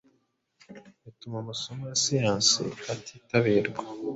bituma amasomo ya Siyansi atitabirwa